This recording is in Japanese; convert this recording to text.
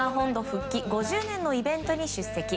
復帰５０年のイベントに出席。